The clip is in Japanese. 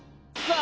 あ！